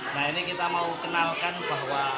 nah ini kita mau kenalkan bahwa